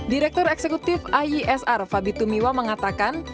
direktur eksekutif iesr fabi tumiwa mengatakan